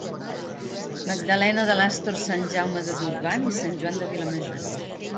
Magdalena de l'Astor Sant Jaume de Durban i Sant Joan de Vilamajor.